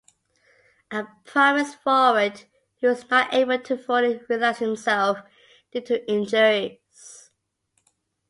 A promising forward who was not able to fully realize himself due to injuries.